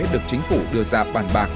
được chính phủ đưa ra bàn bạc